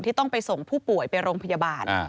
ต้องไปส่งผู้ป่วยไปโรงพยาบาล